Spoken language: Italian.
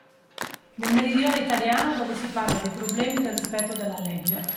Nel meridione italiano dove si parla dei problemi del rispetto della legge